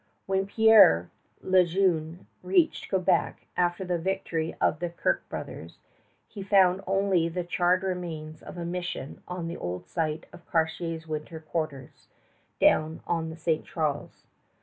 When Pierre le Jeune reached Quebec after the victory of the Kirke brothers, he found only the charred remains of a mission on the old site of Cartier's winter quarters down on the St. Charles.